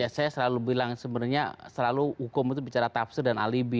saya selalu bilang sebenarnya selalu hukum itu bicara tafsir dan alibi